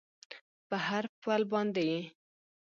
په هر پل باندې یې